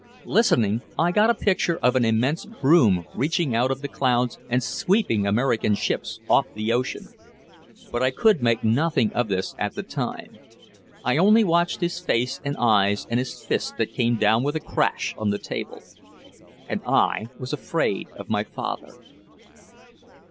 Listening, I got a picture of an immense broom reaching out of the clouds and sweeping American ships off the ocean. But I could make nothing of this at the time. I only watched his face and eyes and his fist that came down with a crash on the table. And I was afraid of my father.